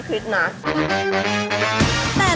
อื้ม